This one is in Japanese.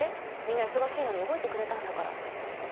みんな忙しいのに動いてくれたんだから。